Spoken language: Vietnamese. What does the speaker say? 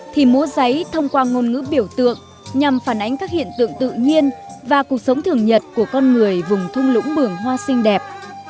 thì múa giấy thông qua ngôn ngữ biểu tượng nhằm phản ánh các hiện tượng tự nhiên và cuộc sống thường nhật của con người vùng thung lũng bường hoa xinh đẹp